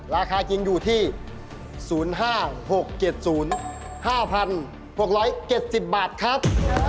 ราคาจริงอยู่ที่๐๕๖๗๐๕๖๗๐บาทครับ